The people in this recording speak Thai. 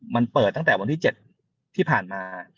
มันเปิดตั้งแต่วันที่๗ที่ผ่านมา